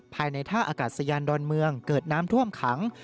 ภายในท่าอากาศยานดอนเมืองเกิดน้ำท่วมขัง